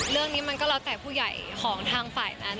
เรื่องนี้มันก็แล้วแต่ผู้ใหญ่ของทางฝ่ายนั้น